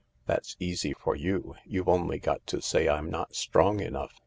"That's easy for you ; you've only got to say I'm not strong enough.